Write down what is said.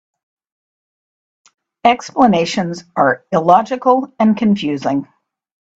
Explanations are illogical and confusing.